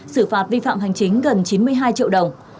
xử phạt vi phạm hành chính gần chín mươi hai triệu đồng